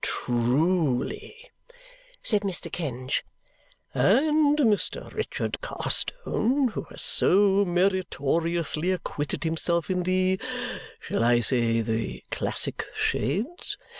"Truly," said Mr. Kenge. "And Mr. Richard Carstone, who has so meritoriously acquitted himself in the shall I say the classic shades?